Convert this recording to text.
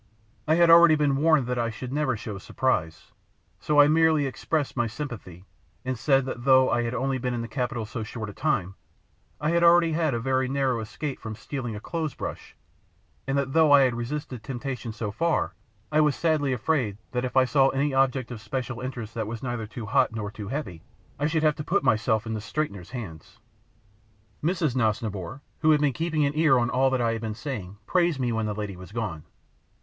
I had already been warned that I should never show surprise, so I merely expressed my sympathy, and said that though I had only been in the capital so short a time, I had already had a very narrow escape from stealing a clothes brush, and that though I had resisted temptation so far, I was sadly afraid that if I saw any object of special interest that was neither too hot nor too heavy, I should have to put myself in the straightener's hands. Mrs. Nosnibor, who had been keeping an ear on all that I had been saying, praised me when the lady had gone.